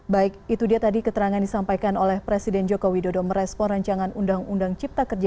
baik itu dia tadi keterangan disampaikan oleh presiden joko widodo merespon rancangan undang undang cipta kerja